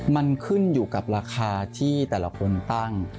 มันขึ้นอยู่กับราคาที่แต่ละคนตั้ง